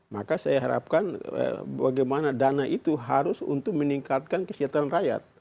maka saya harapkan bagaimana dana itu harus untuk meningkatkan kesejahteraan rakyat